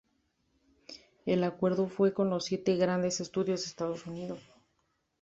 El acuerdo fue con los siete grandes estudios en Estados Unidos.